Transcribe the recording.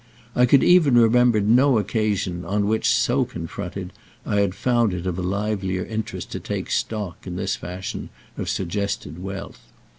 I could even remember no occasion on which, so confronted, I had found it of a livelier interest to take stock, in this fashion, of suggested wealth.